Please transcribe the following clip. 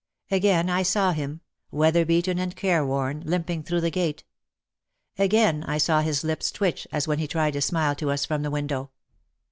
Again I saw him, weatherbeaten and care worn, limping through the gate. Again I saw his lips twitch as when he tried to smile to us from the window.